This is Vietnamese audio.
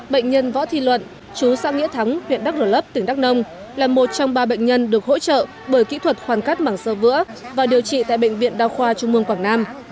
bệnh nhân võ thi luận chú sạng nghĩa thắng viện đắc rồi lấp tỉnh đắc nông là một trong ba bệnh nhân được hỗ trợ bởi kỹ thuật khoan cắt bảng sơ vữa và điều trị tại bệnh viện đa khoa trung ương quảng nam